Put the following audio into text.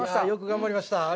よく頑張りました。